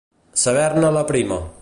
Saber-ne la prima.